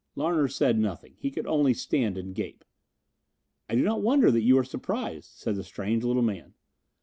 Larner said nothing. He could only stand and gape. "I do not wonder that you are surprised," said the strange little man.